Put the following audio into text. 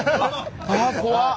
あ怖っ。